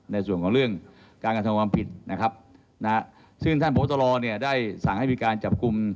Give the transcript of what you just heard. ในส่วนกับเรื่องการกันรถงวงปิดซึ่งท่านพตได้สั่งให้มีการจับกลุม